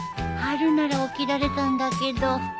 春なら起きられたんだけど。